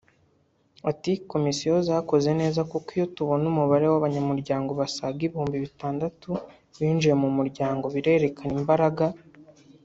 Ati “Komisiyo zakoze neza kuko iyo tubona umubare w’abanyamuryango basaga ibihumbi bitandatu binjiye mu muryango birerekana imbaraga